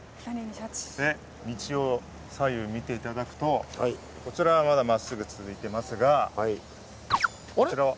道を左右見て頂くとこちらはまだまっすぐ続いてますがこちらは。